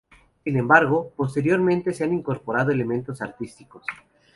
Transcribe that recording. Sin embargo, posteriormente se incorporaron elementos artísticos.